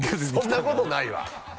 そんなことないわ。